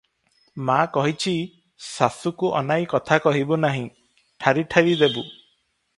ମା କହିଛି, ଶାଶୁକୁ ଅନାଇ କଥା କହିବୁ ନାହିଁ, ଠାରି ଠାରି ଦେବୁ ।